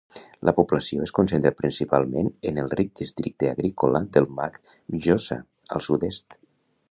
La població es concentra principalment en el ric districte agrícola del llac Mjøsa, al sud-est.